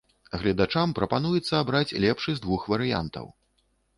Гледачам прапануецца абраць лепшы з двух варыянтаў.